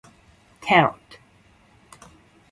タロット